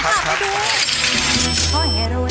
ไปดูค่ะไปดู